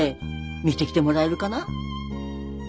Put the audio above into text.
見てきてもらえるかな？